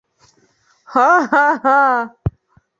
Һа-һа-һа!..